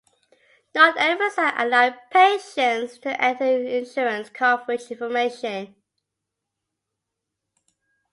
Not every site allowed patients to enter insurance coverage information.